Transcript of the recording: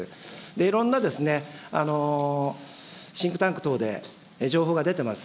いろんなシンクタンク等で情報が出てます。